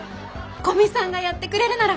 古見さんがやってくれるなら。